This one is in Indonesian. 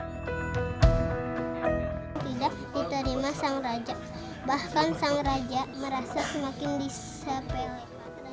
tidak diterima sang raja bahkan sang raja merasa semakin disepele